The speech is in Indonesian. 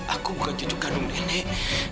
aku bukan cucu kandung nenek